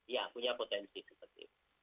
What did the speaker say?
ya punya potensi seperti itu